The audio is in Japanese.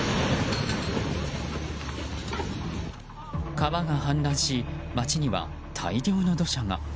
川が氾濫し、街には大量の土砂が。